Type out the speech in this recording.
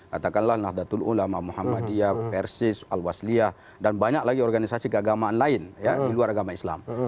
katakanlah nahdlatul ulama muhammadiyah persis al wasliyah dan banyak lagi organisasi keagamaan lain ya di luar agama islam